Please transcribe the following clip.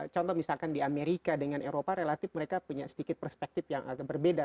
contoh misalkan di amerika dengan eropa relatif mereka punya sedikit perspektif yang agak berbeda